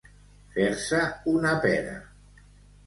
Fer-se una pera.